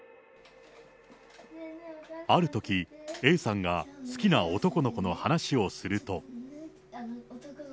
あるとき、Ａさんが好きな男の子の話をすると。